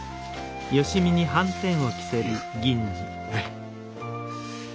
はい。